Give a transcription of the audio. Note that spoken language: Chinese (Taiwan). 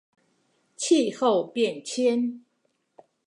氣候變遷